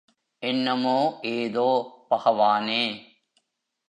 என்னமோ ஏதோ, பகவானே!